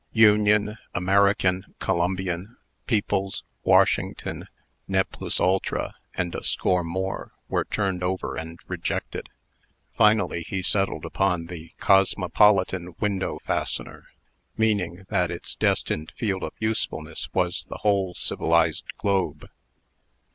"Union," "American," "Columbian," "Peoples'," "Washington," "Ne Plus Ultra," and a score more, were turned over and rejected. Finally he settled upon the "Cosmopolitan Window Fastener," meaning that its destined field of usefulness was the whole civilized globe.